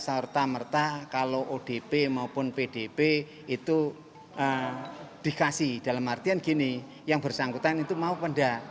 serta merta kalau odp maupun pdp itu dikasih dalam artian gini yang bersangkutan itu mau pendak